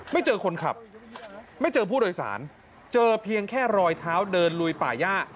ไม่เจอคนขับไม่เจอผู้โดยสารเจอเพียงแค่รอยเท้าเดินลุยป่าย่า